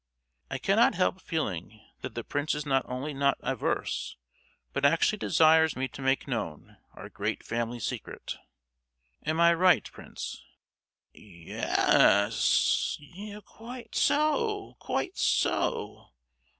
—I cannot help feeling that the prince is not only not averse, but actually desires me to make known our great family secret. Am I right, Prince?" "Ye—yes, quite so, quite so!